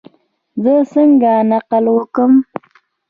زه څنګه نقل وکم؟